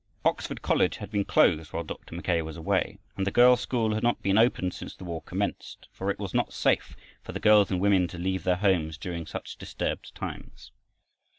Oxford College had been closed while Dr. Mackay was away, and the girls' school had not been opened since the war commenced, for it was not safe for the girls and women to leave their homes during such disturbed times.